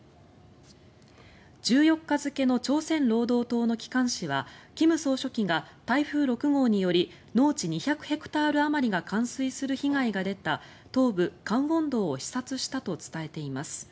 １４日付の朝鮮労働党の機関紙は金総書記が、台風６号により農地２００ヘクタールあまりが冠水する被害が出た東部江原道を視察したと伝えています。